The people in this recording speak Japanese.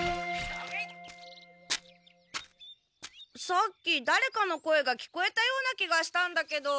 さっきだれかの声が聞こえたような気がしたんだけど。